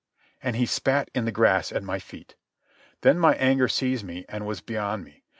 And he spat in the grass at my feet. Then my anger seized me and was beyond me.